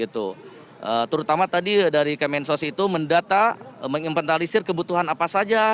terutama tadi dari kemensos itu mendata mengimpentarisir kebutuhan apa saja